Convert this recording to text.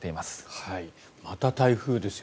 また台風ですよ。